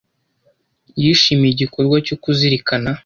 yishimiye igikorwa cyo kuzirikana